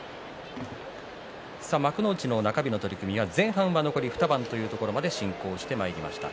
幕内の中日の取組前半は残り２番というところまで進行してまいりました。